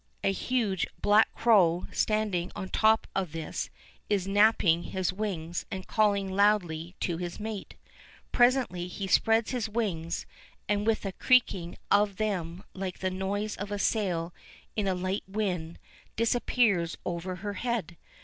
A huge, black crow standing on the top of this is napping his wings and calling loudly to his mate. Presently he spreads his wings, and, with a creaking of them like the noise of a sail in a light wind, disappears over her head.